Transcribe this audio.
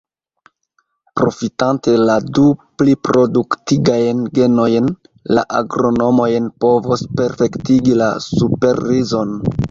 Profitante la du pliproduktigajn genojn, la agronomoj povos perfektigi la superrizon.